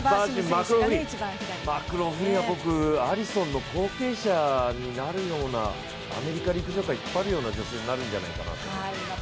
マクローフリンは僕、アリソンの後継者になるようなアメリカ陸上界引っ張るような女性になるんじゃないかと。